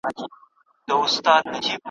له سهاره ترماښامه به پر کار وو ,